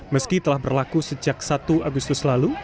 meski telah berlaku sejak satu agustus lalu